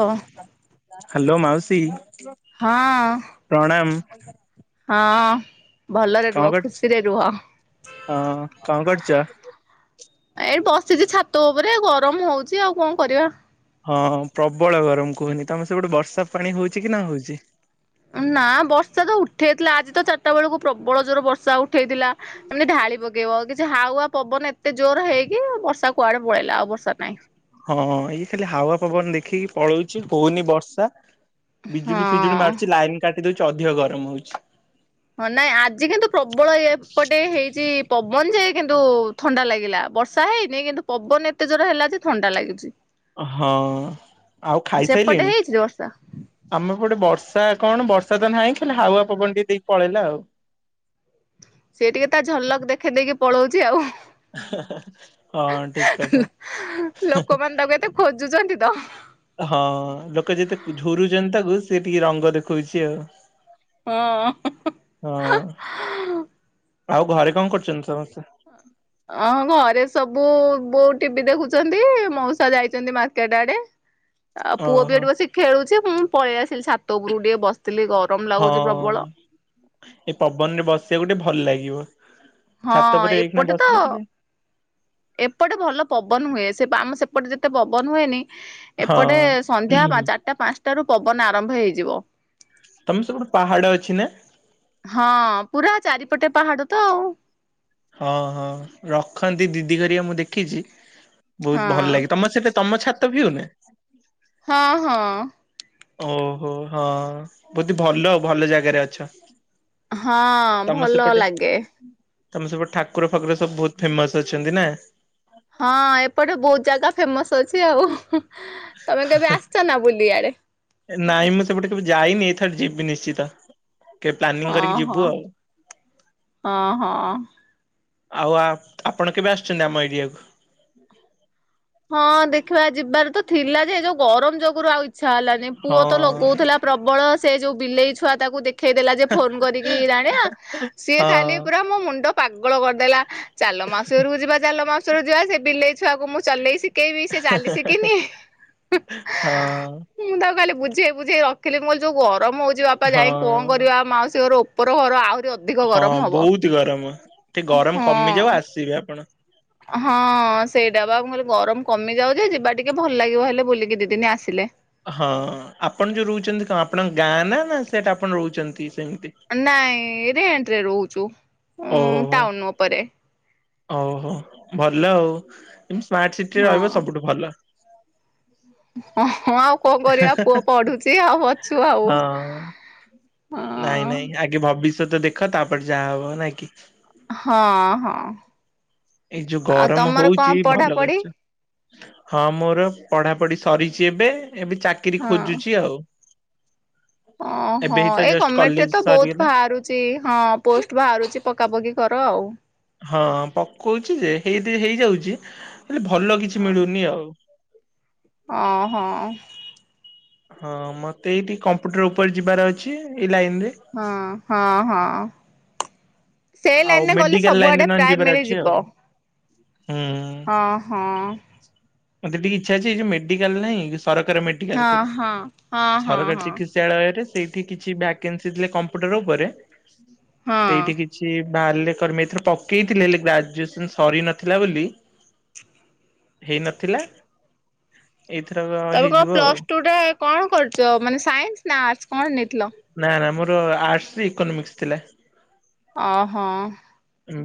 ଓ hello ମାଉସୀ। ହଁ। ପ୍ରଣାମ। ହଁ ଭଲରେ କଣ ରୁହ କର ଖୁସିରେ ରୁହ। ହଁ କଣ କରୁଛ? ଏଇ ବସିଛି ଛାତ ଉପରେ ଗରମ ହଉଛି ଆଉ କଣ କରିବା। ହଁ ପ୍ରବଳ ଗରମ କୁହନି ତମ ସେ ପଟେ ବର୍ଷା ପାଣି ହଉଛି କି ନା ହଉଛି? ନା ବର୍ଷା ତ ଉଠେଇଥିଲା ଆଜି ତ ଚାରିଟା ବେଳକୁ ପ୍ରବଳ ଜୋର ବର୍ଷା ଉଠ ଇଥିଲା ଏମିତି ଢାଳି ପକେଇବ କି ଯେ ହାୱା ପବନ ଏତେ ଜୋର ହେଇକି ବର୍ଷା କୁଆଡ଼େ ପଳେଇଲା ଆଉ ବର୍ଷା ନାହିଁ। ହଁ ଏଇ ଖାଲି ହାୱା ପବନ ଦେଖିକି ପଳଉଛି ହଉନି ବର୍ଷା। ବିଜୁଳି ଫିଜୁଳି ହଁ। ମାରୁଛି ଲାଇନ କାଟି ଦଉଛି ଅଧିକ ଗରମ ହଉଛି। ହଁ ନାଇଁ ଆଜି କିନ୍ତୁ ପ୍ରବଳ ଏପଟେ ହେଇଛି ପବନ ଯେ କିନ୍ତୁ ଥଣ୍ଡା ଲାଗିଲା ବର୍ଷା ହେଇନି କିନ୍ତୁ ପବନ ଏତେ ଜୋର ହେଲା ଯେ ଥଣ୍ଡା ଲାଗୁଚି।। ହଁଉ ଆଉ ସେପଟେ ଖାଇସାରିଲେଣି? ହେଇଛି ବର୍ଷା। ଆମ ପଟେ ବର୍ଷା କଣ ବର୍ଷା ତ ନାହିଁ ଖାଲି ହାୱା ପବନ ଟିକେ ଦେଇକି ପଳେଇଲା ଆଉ। ସେ ଟିକେ ତା ଝଲକ ଦେଖେଇଦେଇକି ପଳଉଛି ଆଉ ହୁଁ। ହଁ ଠିକ କଥା। ଲୋକମାନେ ତାକୁ କେତେ ଖୋଜୁଛନ୍ତି ତ। ହଁ ଲୋକ ଯେତେ ଝୁରୁଛନ୍ତିଛନ୍ତି ତାକୁ ସେ ଟିକେ ରଙ୍ଗ ଦେଖଉଛି ଆଉ। ହଁ। ହଁ ଆଉ ଘରେ କଣ କରୁଛନ୍ତି ସମସ୍ତେ? ଅଁ ଘରେ ସବୁ ବୋଉ ଟିଭି ଦେଖୁଛନ୍ତି ମଉସା ଯାଇଛନ୍ତି ମାର୍କେଟ ଆଡେ। ଆଉ ପୁଅ ବି ଓହୋ ଏଠି ବସିିକ ଖେଳୁଛି ମୁଁ ପଳେଇ ଆସିଲି ସାତ ଉପରୁ ଟିକେ ବସିଥିଲି ଘରୁ ହଁ ଏ ପବନ ରେ ବସିବାକୁ ଟେ ଭଲ ଲାଗିବ। ହଁ ଛାତ ଉପରେ ଏଇଖିଣା ଏପଟେ ତ ବସିଲେ ଟିକେ ଏପଟେ ଭଲ ପବନ ହୁଏ ସେ ଆମ ସେପଟେ ଯେତେ ପବନ ହୁଏନି ହଁ ଏପଟେ ସନ୍ଧ୍ୟା ଚାରିଟା ପାଞ୍ଚଟାରୁୁ ପବନ ଆରମ୍ଭ ହେଇଯିବ। ତମ ସେପଟେ ପାହାଡ ଅଛି ନା? ହଁ, ପୁରା ଚାରିପଟେ ପାହାଡ ତ ଆଉ। ହଁ ହଁ ରଖନ୍ତି ଦିଦି କରିବା ମୁଁ ଦେଖିଛି। ହଁ ବହୁତ ଭଲ ଲାଗେ ତମର ସେଟା ତମ ଛାତ ଭିୟୁ ନା? ହଁ ହଁ। ଓହୋ ହଁ ବହୁତ ଭଲ ଭଲ ଜାଗାରେ ଅଛ। ହଁ ତମ ଭଲ ସେପଟେ ଲାଗେ। ତମ ସେପଟେ ଠାକୁର ଫାକୁର ସବୁ ବହୁତ ଫେମସ୍ ଅଛନ୍ତି ନା? ହଁ ଏପଟେ ବହୁତ ଜାଗା ଫେମସ୍ ଅଛି। ଆଉ ତମେ କେବେ ଆସିଛ ନା ବୁଲିବ ଇଆଡେ? ନାଇଁ ମୁଁ ସେପଟେ କେବେ ଯାଇନି ଏଥର ଯିବି ନିଶ୍ଚିତ। କେବେ ପ୍ଲାନିଂ ହଁ କରିକି ହଁ ଯିବୁ ଆଉ। ହଁ ହଁ। ଆଉ ଆ ଆପଣ କେବେ ଆସୁଛନ୍ତି ଆମ ଏରିଆକୁ? ହଁ ଦେଖିବା ଯିବାରେ ତ ଥିଲା ଯେ ଏ ଯୋଉ ଗରମ ଯୋଗୁରୁ ଆଉ ଇଚ୍ଛା ହେଲାନି ହଁ ପୁଅ ତ ଲଗଉଥିଲା। ପ୍ରବଳ ସେ ଯୋଉ ବିଲେଇ ଛୁଆଟାକୁ ତାକୁ ଦେଖ ଉଠେଇଦେଲା ଯେ ଫୋନ୍ କରିକି ରାଣିଆ ସିଏ ହଁ ଖାଲି ପୁରା ମୋ ମୁଣ୍ଡ ପାଗଳ କରିଦେଲା। ଚାଲ ମାଉସୀ ଘରକୁ ଯିବା ଚାଲ ମାଉସୀ ଘରକୁ ଯିବା ସେ ବିଲେଇ ଛୁଆକୁ ମୁ ଚଲେଇ ଶିଖେଇବି ସେ ଚାଲି ଶିଖିନି। ହଁ। ମୁଁ ତାକୁ ଖାଲି ବୁଝେଇ ବୁଝେଇ ରଖିଲି ମୁଁ କହିଲି ଯୋଉ ଗରମ ହଉଛି ବାପା ଯାଇ କଣ ହଁ କରିବା ମାଉସୀ ଘରକୁ। ଉପର ଘର ଆହୁରି ଅ ହଁ ବହୁତ ଗରମ ଟିକେ ଗରମ କମିଯାଉ ହଁ ଆସିବେ ଆପଣ। ହଁ ସେଇଟା ବା ମୁଁ କହିଲି ଗରମ କମି ଯାଉଛ ଯିବା ଟିକେ ଭଲ ଲାଗିବ ହେଲେ ବୁଲିକି ଦିଦିନି ଆସିଲେ। ହଁ ଆପଣ ଯୋଉ ରହୁଛନ୍ତି କଣ ଆପଣଙ୍କ ଗାଁ ନା ନା ସେଟା ଆପଣ ରହୁଛନ୍ତି ସେମିତି? ନାଇଁ ରେଣ୍ଟ୍ ରେ ରହୁଛୁ। ଉଁ ଓହୋ ଟାଉନ ଉପରେ ଓହୋ ଭଲ ଆଉ। ଏମତି ସ୍ମାର୍ଟ ସିଟିରେ ହଁ ରହିବ ସବୁଠୁ ଭଲ। ହଁ ଆଉ କଣ କରିବା ପୁଅ ପଢୁଛି ଆଉ ଅଛୁ ଆଉ। ହଁ ନାଇଁ ହଁ ନାଇଁ ଆଗେ ଭବିଷ୍ୟତ ଦେଖ ତାପରେ ଯାହା ହବ ନାଇଁ କି। ହଁ ହଁ ଏଇ ଯୋଉ ଆଉ ଗରମ ତମର କଣ ହଉଛି ଭଲ ପଢାପଢି କରିଛ ହଁ ମୋର ପଢାପଢି ସରିଛି ଏବେ ଏବେ ଚାକିରି ହଁ ଖୋଜୁଛି ଆଉ। ଏବେ ଓହୋ ହିଁ ତ ଏଇ ଜଷ୍ଟ ଗମେଣ୍ଟ୍ ରେ କଲେଜ ତ ବହୁତ ସରିଗଲା ବାହାରୁଛି। ହଁ ପୋଷ୍ଟ ବାହାରୁଛି ପକାପକି କର ଆଉ। ହଁ ପକଉଛି ଯେ ହେଇଦି ହେଇଯାଉଛି ହେଲେ ଭଲ କିଛି ମିଳୁନି ଆଉ। ଓହୋ। ହଁ ମତେ ଏଇଠି କମ୍ପ୍ୟୁଟର୍ ଉପରେ ଯିବାର ଅଛି ଏଇ ଲାଇନ୍ ରେ। ହଁ ହଁ ହଁ। ସେ ଆଉ ଲାଇନ୍ ରେ ଗଲେ ମେଡିକାଲ ଲାଇନ ରେ ସବୁଆଡେ ନହେଲେ ପ୍ରାୟ ଯିବାର ଅଛି ଆଉ। ମିଳିଯିବ। ହୁଁ। ହଁ ହଁ। ମତେ ଟିକେ ଇଛା ଅଛି ଏ ଯୋଉ ମେଡିକାଲ ନାହିଁ ସରକାରୀ ମେଡିକାଲ ହଁ ସବୁ ହଁ ହଁ ହଁ ସରକାରୀ ହଁ। ସୀ ବିଦ୍ୟାଳୟରେ ସେଇଠି କିଛି ଭ୍ୟାକେନ୍ସି ଥିଲେ କମ୍ପୁଟର ଉପରେ ହଁ ସେଇଠି କି କିଛି ବାହାରିଲେ କର୍ମେ ଏଥର ପକେଇଥିଲେ ହେଲେ ଗ୍ରାଜୁଏସନ୍ ସରି ନଥିଲା ବୋଲି ହେଇନଥିଲା ଏଇଥର ତମେ କଣ ହେଇଯିବ ଆଉ। ପ୍ଲସ ଟୁ ରେ କଣ କରୁଛ ମାନେ ସାଇନ୍ସ୍ ନା ଆର୍ଟସ୍ କଣ ନେଇଥିଲ? ନା ନା ମୋର ଆର୍ଟସରେ ଇକୋନୋମିକ୍ସ ଥିଲା। ଓହୋ।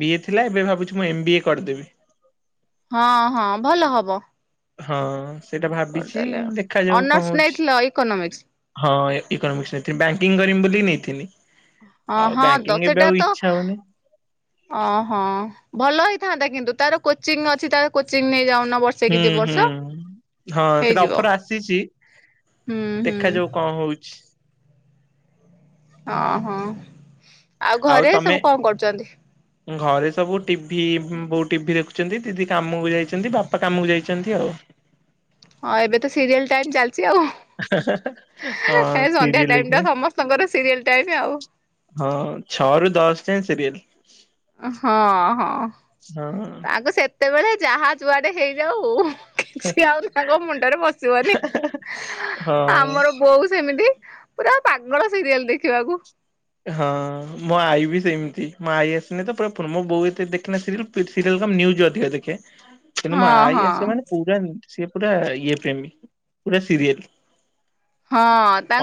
ବିଏ ଥିଲା ଏବେ ଭାବୁଛି ମୁଁ ଏମ୍ ବିଏ କରିଦେବି। ହଁ ହଁ ଭଲ ହବ। ହଁ ସେଇଟା ଭାବିଛି କରିଦେଲେ। ଦେଖାଯାଉ କଣ ଅନର୍ସ ହଉଛି। ନେଇଥିଲ ଇକୋନୋମିକ୍ସ ହଁ ଇକୋନୋମିକ୍ସ ନେଇଥି ବ୍ୟାଙ୍କିଙ୍ଗ କରିମି ବୋଲି ନେଇଥିନି। ହଁ ତ ସେଟା ତ ହଉନି ଓହୋ ଭଲ ହେଇଥାନ୍ତା କିନ୍ତୁ ତାର କୋଚିଂ ଅଛି ତାର କୋଚିଂ ନେଇଯାଉନ ବ ହୁଁ ହୁଁ ହଁ ସେଇଟା ହେଇଯିବ ଅଫର ଆସିଛି ହୁଁ ହୁଁ ଦେଖାଯାଉ କଣ ହଉଛି। ଓଁହୋ ଆଉ ଘରେ ସବୁ କଣ କରୁଛନ୍ତି? ଘରେ ସବୁ ଟିଭି ବୋଉ ଟିଭି ଦେଖୁଛନ୍ତି ଦିଦି କାମକୁ ଯାଇଛନ୍ତି ବାପା କାମକୁ ଯାଇଛନ୍ତି ଆଉ। ହଁ ଏବେ ତ ସିରିଏଲ୍ ଟାଇମ୍ ଚାଲିଛି ଆଉ। ହଁ ସନ୍ଧ୍ୟା ସିରିଏଲ ଟାଇମ ଟା ହେଇକିନା ସମସ୍ତଙ୍କର ସିରିଏଲ୍ ଟାଇମ ଆଉ। ହଁ ଛଅ ରୁ ଦଶ ଯାଏଁ ସିରିଏଲ୍। ହଁ ହଁ ହଁ। ତାଙ୍କୁ ସେତେବେଳେ ଯାହା ଯୁଆଡେ ହେଇଯାଉ। କିଛି ଆଉ ତାଙ୍କ ମୁଣ୍ଡରେ ପଶିବନି ହଁ ଆମର ବୋଉ ସେମିତି। ପୁରା ପାଗଳ ସିରିଏଲ୍ ଦେଖିବାକୁ। ହଁ ମୋ ଆଈ ବି ସେମିତି ମୋ ଆଈ ଆସିନି ତ ପୁରା ବୋଉ ଏତେ ଦେଖନା ସିରି ସିରିୟଲ କମ୍ ନ୍ୟୁଜ୍ ଅଧିକ ଦେଖେ। କ ମୋ ହଁ ଆଇ ହଁ। ଆସ ମାନେ ପୁର ସି ପୁରା ଇଏ ପ୍ରେମୀ ପୁରା ସିରିଏଲ। ହଁ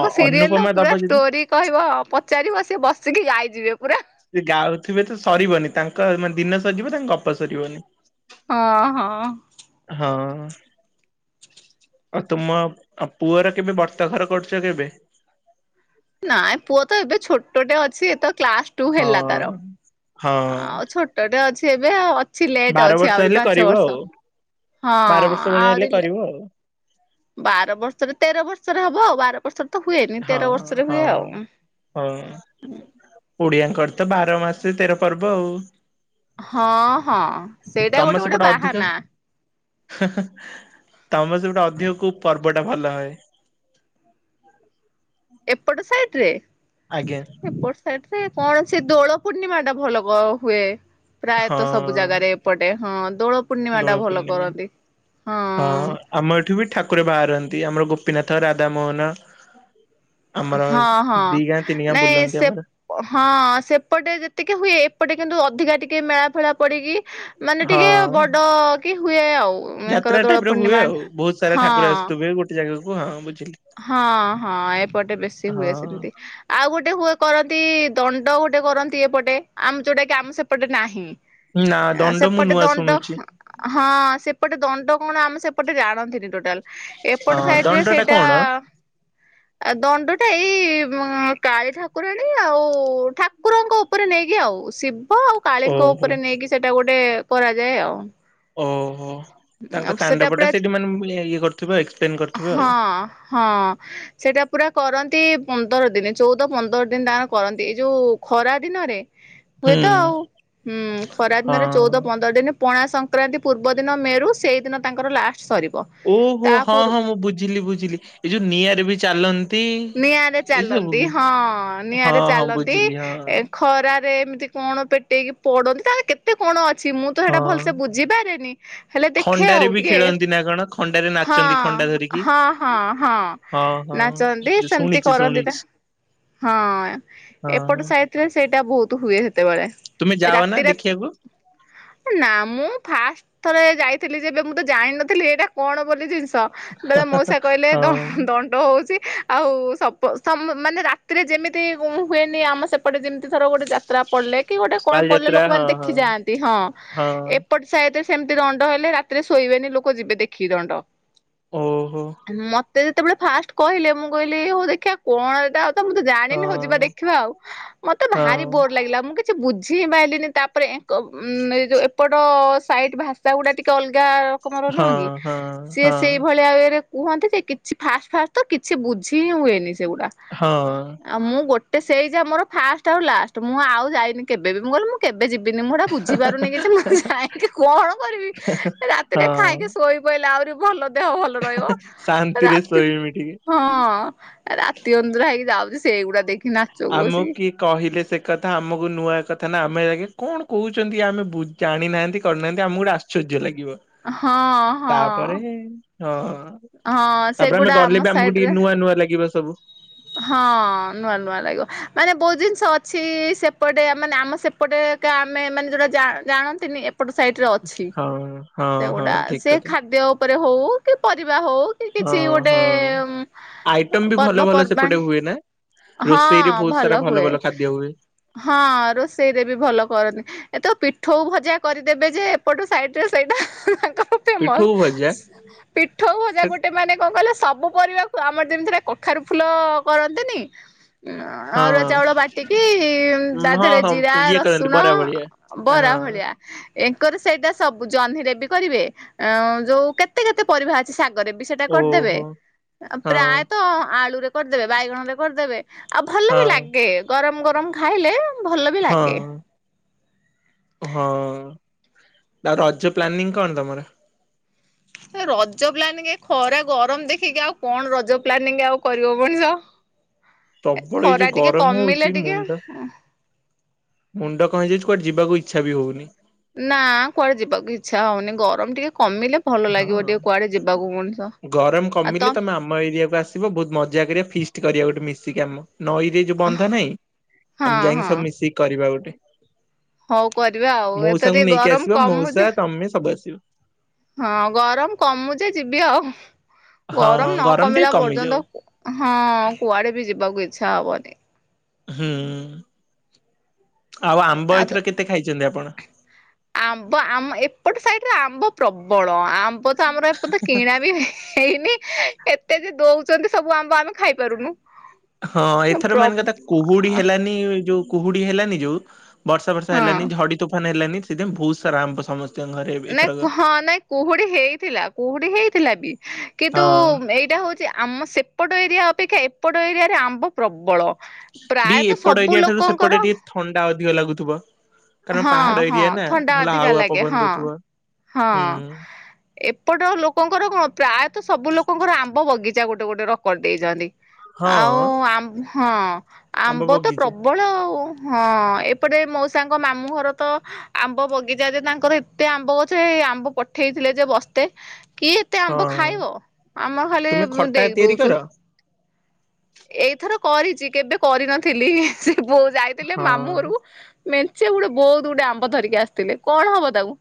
ଅ ସିରିଏଲ ଅନୁପମା ପୁରା ଦବ ଯଦି ଷ୍ଟୋରି କହିବ ପଚାରିବ ସିଏ ବସିକି ଗାଇଯିବେ ପୁରା। ସେ ଗାଉଥିବେ ତ ସରିବନି ତାଙ୍କ ମାନେ ଦିନ ସରିିବ ତାଙ୍କ ଗପ ସରିବନି। ହଁ ହଁ। ହଁ। ଆଉ ତୁମ ଆ ପୁଅର କେବେ ବର୍ତ୍ତାଘର କରୁଛ କେବେ? ନାଇଁ ପୁଅ ତ ଏବେ ଛୋଟଟେ ଅଛି ଏ ତ କ୍ଲାସ ଟୁ ହଁ। ହେଲା ତାର ହଁ ଆ ଛୋ ଟ ଅଛି ଏବେ ଆଉ ଅଛି ଲେଟ୍ ବାର ଅଛି ବର୍ଷ ଆହୁରି ହେଲେ ପାଞ୍ଚ କରିବ ଆଉ ବର୍ଷ ହଁ ଆହୁରି ହୁଁ। ବାର ବର୍ଷରେ ତେର ବର୍ଷରେ ହବ ଆଉ ବାର ବର୍ଷରେ ତ ହୁଏନି ହଁ ତେର ବର୍ଷରେ ହଁ ହୁଏ ଆଉ। ହଁ ଓଡିଆଙ୍କର ତ ବାର ମାସ ତେର ପର୍ବ ଆଉ। ହଁ ହଁ ସେଇଟା ଗୋଟେ ଗୋଟେ ବାହାନା। ତମେ [unintelligible] ଅଧିକ କୋଉ ପର୍ବ ଟା ଭଲ ହୁଏ। ଏପଟ ସାଇଡ ରେ। ଆଜ୍ଞା। ଏପଟ ସାାଇଡ ରେ କଣ ସେ ଦୋଳ ପୂର୍ଣ୍ଣିମା ଟା ଭଲ ହୁଏ। ହଁ ପ୍ରାୟତଃ ସବୁ ଜାଗାରେ ଏପଟେ ହଁ ଦୋଳ ପୂର୍ଣ୍ଣିମା ଦୋଳ ଟା ଭଲ ପୂର୍ଣ୍ଣିମା। କରନ୍ତି ହଁ। ଆମ ଏଠୁ ବି ଠାକୁର ବାହାରନ୍ତି ଆମର ଗୋପୀନାଥ ରାଧ ମୋହନ। ହଁ ହଁ ଦି ଗାଁ ତିନି ଗାଁ ନାଇଁ ବୁଲନ୍ତି ସେ ଆମର ହଁ ସେପଟେ ଯେତିକି ହୁଏ ଏପଟେ କିନ୍ତୁ ଅଧିକା ଟିକେ ମେଳା ଫେଳା ପଡିକି ମାନେ ହଁ ଟିକେ ବଡ କି ହୁଏ ଯାତ୍ରା ଆଉଙ୍କର ଟାଇପ ଦୋଳ ପୂର୍ଣ୍ଣିମା ହଁ। ସେ ଜାଗାକୁ ଆଉ ବୁଝିଲି। ହଁ ହଁ ଏପଟେ ବେଶୀ ହଁ ହୁଏ ସେମିତି। ଆଉ ଗୋଟେ ହୁଏ କରନ୍ତି ଦଣ୍ଡ ଗୋଟେ କରନ୍ତି ଏପଟେ ଆମ ଯୋଉଟା କି ଆମ ସେପଟେ ନାହିଁ। ନା ଦଣ୍ଡ ମୁଁ ସେପଟେ ନୂଆ ଦଣ୍ଡ। ଶୁଣୁଛି ହଁ-ଅ-ଅ ସେପଟେ ଦଣ୍ଡ କଣ ଆମ ସେପଟେ ଜାଣନ୍ତିନି ଟୋଟାଲ, ଏପଟ ହଁ ସାଇଟରେ ଦଣ୍ଡ ସେ ଟା କଣ? ଆଉ ଦଣ୍ଡଟା ଏଇ-ଇ-ଇ ଉଁ-ଉଁ କାଳି ଠାକୁରାଣୀ ଆଉ-ଉ-ଉ ଠାକ୍ କୁରଙ୍କ ଉପରେ ନେଇକି ଆଉ ଶିବ ଆଉ କାଳୀଙ୍କ ଓହୋ ଉପରେ ନେଇକି ସେଇଟା ଗୋଟେ କରାଯାଏ ଆଉ। ଓ ହୋ, ତାଙ୍କ ସେଟା ତାଣ୍ଡବଟା ସେଠି ମାନେ ମୁଁ ଇଏ-ଇଏ କରୁଥିବେ ଏକ୍ସପ୍ଲେନ କରୁ ହଁଅ-ହଁଅ। ସେଇଟା ପୁରା କରନ୍ତି ପନ୍ଦର ଦିନ ଚଉଦ ପନ୍ଦର ଦିନ ତାଙ୍କ କରନ୍ତି ଏଇ ଯୋଉ ଖରା ଦିନରେ ହୁଏ ହୁଁ ତ ଆଉ, ହୁଁ-ଉଁ-ଉଁ ହଁ। ଖରାଦିନରେ ଚଉଦ ପନ୍ଦର ଦିନ ପଣା ସଂକ୍ରାନ୍ତି ପୂର୍ବଦିନ ମେରୁ ସେଇ ଦିନ ତାଙ୍କର ଲାଷ୍ଟ ସରିବ। ଓ ହୋ ତା ପୂର୍ବ ହଁ-ହଁ ମୁଁ ବୁଝିଲି ବୁଝିଲି, ଏ ଯୋଉ ନିଆଁରେ ବି ଚାଲନ୍ ନିଆଁରେ ଚାଲନ୍ତି ହଁ-ଅ-ଅ ହଁ ନିଆଁରେ ହଁ ଚାଲନ୍ତି ବୁଝିଲି ହଁ ଏ ଖରାରେ ଏମିତି କଣ ପେଟେଇକି ପଡନ୍ତି ତା [inaudible] କେତେ କଣ ଅଛି ମୁଁ ତ ସେଟା ହଁ। ଭଲସେ ବୁଝିପାରେନି ହେଲେ ଦେଖେ ଖଣ୍ଡାରେ ଆଉ ବି ଟିକେ, ଖେଳନ୍ତି ନା କଣ ଖଣ୍ଡାରେ ହଁ ନାଚନ୍ତି ଖଣ୍ଡା ଧରିକି। ହଁ-ହଁ-ହଁ ନାଚନ୍ତି ଚା ମୁଁ ନିଜେ ଶୁଣିଛି। ହଁ-ଅ-ଅ ଏପଟ ହଁ ସାଇଟରେ ସେଇଟା ବହୁତ ହୁଏ ସେତେବେଳେ। ତୁମେ ଯାଅ ନା ରାତିରେ, ଦେଖିବାକୁ? ନା ମୁଁ ଫାଷ୍ଟ ଥରେ ଯାଇଥିଲି ଯେବେ ମୁଁ ତ ଜାଣିିନଥିଲି ଏଇଟା କଣ ବୋଲି ଜିନିଷ। [inaudible] ବେଳେ ମଉସା କହିଲେ ହଁ ଦ-ଅ-ଦଣ୍ଡ ହଉଛି ଆଉ ସପ ସମ୍ ମାନେ‌ ରା ତିରେ ଯେମିତି ହୁ-ହୁଏନି ଆମ ସେପଟେ ଯେମିତି ଥର ଗୋଟେ ଯା ତ୍ରା ପଡିଲେ କି ଗୋଟେ କଣ ପଡିଲେ ବାଲିଯାତ୍ରା ହଁ ଲୋକମାନେ ହଁ ଦେଖିଯାଆନ୍ତି ହଁ ହଁ ଏପଟ୍ ସାଇଟରେ ସେମିତି ଦଣ୍ଡ ହେଲେ ରାତିରେ ଶୋଇବେନି ଲୋକ ଯିବେ ଦେଖି ଦଣ୍ଡ। ଓ-ହୋ। ମତେ ଯେତେବେଳେ ଫାଷ୍ଟ କହିଲେ ମୁଁ କହିଲି ହଉ ଦେଖିବା କଣ ଏଟା ଜାଣିନି ହଉ ଯିବା ହଁ। ଦେଖିବା ଆଉ, ମତେ ହଁ ଭାରି ବୋର୍ ଲାଗିଲା ମୁଁ କି କିଛି ବୁଝି ହିଁ ପାଇଲିନି ତାପରେ ଏଁ ଏଙ୍କ ଯୋଉ ଏପଟ-ଅ ସାଇଟ୍ ଭାଷାଗୁଡ଼ା ଟିକେ ଅଲଗା ରକମର ହଁ ନୁହଁ କି, ହଁ ସିଏ ସେଇ ହଁ। ଭଳିଆ ଇଏରେ କୁହନ୍ତି ଯେ କିଛି ଫାଷ୍ଟ-ଫାଷ୍ଟ ତ କିଛି ବୁଝି ହିଁ ହୁଏନି ସେଗୁଡ଼ା। ହଁ। ଆଉ ମୁଁ ଗୋଟେ ସେଇ ଯା ମୋର ଫାଷ୍ଟ ଆଉ ଲାଷ୍ଟ ମୁଁ ଆଉ ଯାଇନି କେବେ ବି ମୁଁ କହିଲି ମୁଁ କେବେ ଯିବିନି ମୁଁ ହେଡା ବୁଝିପାରୁନି କିଛି ମୁଁ ଯାଇଁକି କଣ କରିବି। ହେଁହେଁ ହଁ। କହିଲେ ଆହୁରି ଭଲ ଦେହ ଭଲ ରହିବ ଶାନ୍ତିରେ ରାତି ଶୋଇମି ଟିକେ। ହଁ-ଅ-ଅ ରାତି ଅନିଦ୍ରା ହେଇକି ଯାଉଛି ସେ-ଗୁଡା ଦେଖି ନା ଆମକୁ କିଏ କହିଲେ ସେ କଥା ଆମକୁ ନୂଆ କଥା ନା ଆମେ ଆଜ୍ଞା କଣ କହୁଛନ୍ତି ଆମେ ବୁ ଜାଣିନାହାନ୍ତି କରିନାହାନ୍ତି ଆମକୁ ଗୋଟେ ଆଶ୍ଚର୍ଯ୍ୟ ଲାଗିବ, ହଁ ତାପରେ ହଁ ହଁ-ଅ-ଅ ହଁ ତାପରେ ଆମେ ସେଗୁଡା ଆମ ଗଲେ ବି ଆମକୁ ଟିକେ ନୂଆ ନୂଆ ଲାଗିବ ସବୁ। ହଁ-ଅ-ଅ ନୂଆ ନୂଆ ଲାଗିବ ମାନେ ବହୁତ ଜିନିଷ ଅଛି-ଇ-ଇ ସେପଟେ ଆ ମାନେ ଆମ ସେ ଏପଟେ-ଏ ଏତେ ଆମେ ମାନେ ଯୋଉଟା ଜା-ଜାଣନ୍ତିନି ଏ ଏପଟ ସାଇଟରେ ଅଛି ହଁ ହଁ ହଁ ସେଗୁଡା ଠିକ ସେ କଥା। ଖାଦ୍ୟ ଉପରେ ହଉ କି ପରିବା ହଉ [inaudible] କିଛି ହଁ ଗୋଟେ ହଁ ଆଇଟମ ବି ଭଲ ଭଲ ସେପଟେ ପର୍ବପର୍ବାଣି ହୁଏ ନା? ହଁ ରୋଷେଇରେ ବହୁତ ସାରା ଭଲ ଭଲ ଖାଦ୍ୟ ହୁଏ। ହଁ-ଅ ରୋଷେଇରେ ବି ଭଲ କରନ୍ତି। ଏ ତ ପିଠଉ ଭଜା କରିଦେବେ ଯେ ଏପଟ ସାଇଡରେ ସେଇଟା ତାଙ୍କ ଫେମସ୍, ପିଠଉ ଭଜା ପିଠଉ ଭଜା ସେ ଗୋଟେ ମାନେ କଣ କହିଲ ସବୁ ପରିବାକୁ ଆମର ଯେମିତି ସେଇଟା କଖାରୁ ଫୁଲ କରନ୍ତିନି ହଁ ଅରୁଆ ଚାଉଳ ବାଟିକି ତା ହଁ ଦେହେରେ ହଁ ହଁ ଜିରା, ଇଏ କରନ୍ତି ରସୁଣ ବରା ଭଳିଆ। ବରା ହଁ ଭଳିଆ। ଏଙ୍କର ସେଇଟା ସବୁ ଜହ୍ନିରେ ବି କରିବେ ଯୋଉ କେତେ କେତେ ପରିବା ଅଛି ଶାଗରେ ବି ସେଟା କରିଦେବେ, ଓହୋ ହଁ ପ୍ରାୟତ ଆଳୁରେ କରିଦେବେ, ବାଇଗଣରେ କରିଦେବେ, ଆଉ ଭଲ ହଁ ବି ଲାଗେ ଗରମ ଗରମ ଖାଇଲେ। ଭଲ ବି ହଁ। ଲାଗେ। ହଁ, ଆଉ ରଜ ପ୍ଲାନିଂ କଣ ତମର? ରଜ ପ୍ଲାନିଂ ଏ ଖରା ଗରମ ଦେଖିକି ଆଉ କଣ ରଜ ପ୍ଲାନିଂ ଆଉ କରିବ ମଣିଷ। ଏ ପ୍ରବଳ ଏଇ ଯୋଉ ଖରା ଟିକେ ଗରମ ହଉଛି କମିଲେ ଟିକେ ମୁଣ୍ଡ ମୁଣ୍ଡ କ ହେଇଯାଉଚି କୁଆଡେ ଯିବାକୁ ଇଚ୍ଛା ବି ହଉନି। ନା କୁଆଡେ ଯିବାକୁ ଇଚ୍ଛା ହଉନି ଗରମ ଟିକେ କମିଲେ ଭଲ ଲାଗିବ ହଁ। ଟିକେ କୁଆଡେ ଯିବାକୁ ମଣିଷ। ଗରମ ଆଉ କମିଲେ ତମ ତମେ ଆମ ଏରିଆକୁ ଆସିବ ବୋହୁତ୍ ମଜା କରିଆ ଫିଷ୍ଟ କରିଆ ଗୋଟେ ମିଶିକି ଆମ ନଈ ରେ ଯୋଉ ବନ୍ଧ ନାହିଁ ହଁ ଆମେ ଯାଇଁକି ହଁ ସବୁ ମିଶିକି କରିବା ଗୋଟେ। ହଉ କରିବା ଆଉ, ଏଥ ମଉସାଙ୍କୁ ଟିକେ ନେଇକି ଗରମ ଆସିବ କମୁ ମଉସା ଯେ ତମେ ସବୁ ଆସିବ। ହଁ ଗରମ କମୁ ଯେ ଯିବି ଆଉ। ହଁ ଗରମ ନ ଟିକେ କମିଲା କମିଯାଉ ପର୍ଯ୍ୟନ୍ତ, ହଁ କୁଆଡେ ବି ଯିବାକୁ ଇଛା ହବନି। ହୁଁ, ଆଉ ଆମ୍ବ ଏଥର କେତେ ଖାଇଚନ୍ତି ଆପଣ? ଆମ୍ବ ଆମ ଏପଟ ସାଇଡ଼ରେ ଆମ୍ବ ପ୍ରବଳ। ଆମ୍ବ ତ ଆମର ଏପର୍ଯ୍ୟନ୍ତ କିଣା ବି ହେଇ ହେଇନି, ଏତେ ଯେ ଦଉଚନ୍ତି ସବୁ ଆମ୍ବ ଆମେ ଖାଇପାରୁନୁ ହଁ ଏଥର ପ୍ର ମେନ୍ କଥା କୁହୁଡି ହେଲାନି ଯୋଉ କୁହୁଡି ହେଲାନି ଯୋଉ ବର୍ଷା ଫର୍ଷା ହଁ ହେଲାନି, ଝଡି ତୋଫାନ ହେଲାନି, ସେଥିପାଇଁ ବୋହୁତ୍ ସାରା ଆମ୍ୱ ସମ ନାଇଁ ହଁ ନାଇଁ କୁହୁଡି ହେଇଥିଲା, କୁହୁଡି ହେଇଥିଲା ବି କିନ୍ତୁ ହଁ ଏଇ ଏଇଟା ହଉଚି ଆମ ସେପଟ ଏରିଆ ଅପେକ୍ଷା ଏପଟ ଏରିଆରେ ଆମ୍ବ ପ୍ରବଳ। ବି ପ୍ରାୟତ ଏପଟ ସବୁ ଏରିଆ ଠାରୁ ସେପଟେ ଲୋକଙ୍କର ଟିକେ ଥଣ୍ଡା ଅଧିକ ଲାଗୁଥିବ? କାରଣ ହଁ ପାହାଡ ହଁ ଏରିଆ ନା ଥଣ୍ଡା ଭଲ ଅଧିକା ହାୱା ଲାଗେ ପବନ ହଁ, ଦଉଥିବ। ହଁ। ହୁଁ ଏପଟ ଲୋକଙ୍କର କଣ ପ୍ରାୟତ ସବୁ ଲୋକଙ୍କର ଆମ୍ବ ବଗିଚା ଗୋଟେ ଗୋଟେ ର କରି ଦେଇଚନ୍ତି। ହଁ ଆଉ ଆମ୍, ହଁ ଆମ୍ବ ତ ପ୍ରବଳ ଆଉ। ହଁ, ଏପଟେ ମୋ ସାଙ୍ଗ ମାମୁଁ ଘର ତ ଆମ୍ବ ବଗିଚା ଯେ ତାଙ୍କର ଏତେ ଆମ୍ବ ଅଛ ହେ ଆମ୍ବ ପଠେଇଥିଲେ ଯେ ବସ୍ତେ କିଏ ତେ ହଁ ଆମ୍ବ ଖାଇବ, ଆମ ଖାଲି ତୁମେ ଖଟା ଦେଇ ତିଆରି କର? ଦଉଚୁ। ଏଇଥର କରିଚି କେବେ କରିନଥିଲି ସେ ବୋଉ ଯାଇଥିଲେ ହଁ ମାମୁଁ ଘରୁକୁ ମେଞ୍ଚେ ଗୁଡେ ବୋହୁତ୍ ଗୁଡେ ଆମ୍ବ ଧରିକି ଆସିଥିଲେ କଣ ହବ ତାକୁ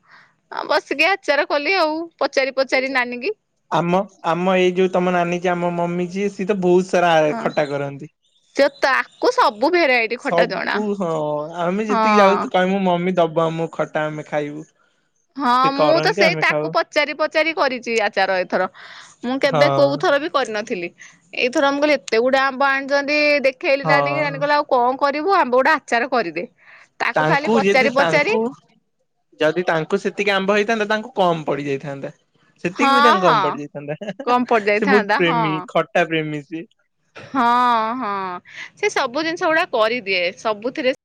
ହଁ ବସିକି ଆଚାର କଲି ଆଉ, ପଚାରି ପଚାରି ନାନିକି। ଆମ ଆମ ଏଇ ଯୋଉ ତମ ନାନୀ ଯିଏ ଆମ ମମି ଯିଏ ସିଏ ତ ବୋହୁତ୍ ସାରା ଖଟା କରନ୍ତି। ସେ ତା କୁ ସବୁ ଭେରାଇ ସବୁ ହଁ, ଆମେ ଯେତିକି ଯାଉ ହଁ କହିବୁ ମମି ଦବ ଆମୁକୁ ଖଟା ଆମେ ଖାଇବୁ। ହଁ ସେ ମୁଁ ତ କରନ୍ତି ସେଇ ଆମେ ଖାଉ ତାକୁ ପଚ ପଚାରି ପଚାରି କରିଚି ଆଚାର ଏଥର। ମୁଁ କେବେ ହଁ କୋଉଥର ବି କରିନଥିଲି, ଏଇଥର ମୁଁ କହିଲି ଏତେ ଗୁଡେ ଆମ୍ବ ଆଣିଚନ୍ତି ଦେଖେଇଲି ନାନୀକି ହଁ ନାନୀ କହିଲା ଆଉ କଣ କରିବୁ ଆମ୍ୱ ଗୁଡା ଆଚାର କରିଦେ। ତାକୁ ଖାଲି ତାଙ୍କୁ ପଚାରି ଯେଦି ପଚାରି ତାଙ୍କୁ ଯଦି ତାଙ୍କୁ ସେତିକି ଆମ୍ବ ହେଇଥାନ୍ତା ତାଙ୍କୁ କମ୍ ପଡିଯାଇଥାନ୍ତା। ହଁ ସେତିକି ବି ତାଙ୍କୁ ହଁ କମ ପଡିଯାଇଥାନ୍ତା କମ ସେ ବୋହୁତ ପଡିଯାଇଥାନ୍ତା ହଁ ପ୍ରେମୀ ଖଟା ପ୍ରେମୀ ସିଏ। ହଁ ହଁ ସେ ସବୁ ଜିନିଷ ଗୁଡା କରିଦିଏ ସବୁଥିରେ